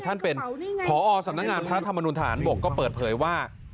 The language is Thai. ท่านเป็นผอสำนักงานพระธรรมนุนฐานบกก็เปิดเผยว่า